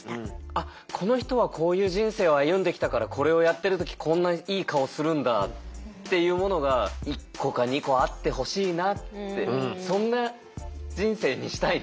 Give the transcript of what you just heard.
あっこの人はこういう人生を歩んできたからこれをやってる時こんないい顔するんだっていうものが１個か２個あってほしいなってそんな人生にしたいなって。